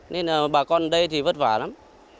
nên bà con ở đây thì vất vả lắm